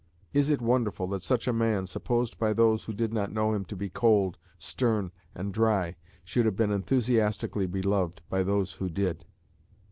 Is it wonderful that such a man, supposed by those who did not know him to be cold, stern, and dry, should have been enthusiastically beloved by those who did?